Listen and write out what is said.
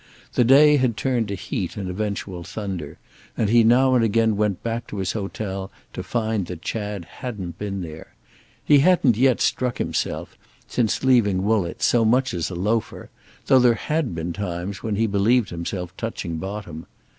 The day had turned to heat and eventual thunder, and he now and again went back to his hotel to find that Chad hadn't been there. He hadn't yet struck himself, since leaving Woollett, so much as a loafer, though there had been times when he believed himself touching bottom.